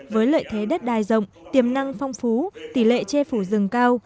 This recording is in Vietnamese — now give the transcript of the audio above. với lợi thế đất đai rộng tiềm năng phong phú tỷ lệ che phủ rừng cao